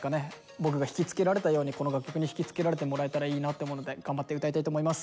僕が引きつけられたようにこの楽曲に引きつけられてもらえたらいいなって思うので頑張って歌いたいと思います。